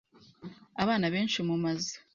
Abana benshi mumazu